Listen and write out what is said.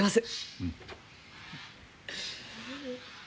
うん。